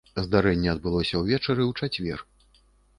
Здарэнне адбылося ўвечары ў чацвер.